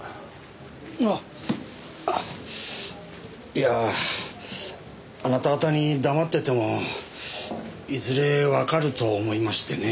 いやああなた方に黙っててもいずれわかると思いましてね。